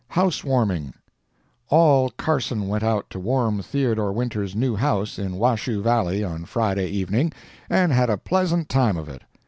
HOUSE WARMING All Carson went out to warm Theodore Winters' new house, in Washoe Valley, on Friday evening, and had a pleasant time of it.